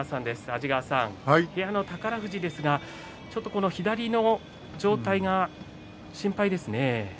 安治川さん、部屋の宝富士ですがちょっと左の状態が心配ですね。